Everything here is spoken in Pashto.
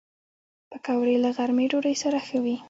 پکورې له غرمې ډوډۍ سره ښه وي